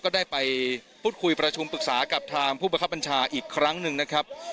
ก็ได้ไปพูดคุยประชุมปรึกษากับทางผู้ประคับบัญชาอีกครั้งหนึ่งนะครับ